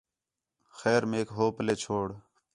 خیر میک ہو پلّے چھوڑ